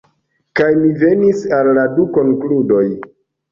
Kaj mi venis al du konkludoj.